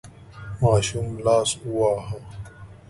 ماشوم لاس وواهه.